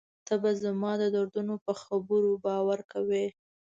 ته به زما د دردونو په خبرو باور کوې.